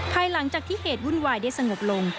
ภายหลังจากที่เหตุวุ่นวายได้สงบลง